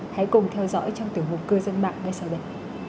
hãy cùng theo dõi trong tiểu mục cư dân mạng ngay sau đây